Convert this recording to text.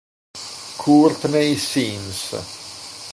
Courtney Sims